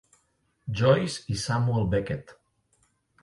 Joyce i Samuel Beckett.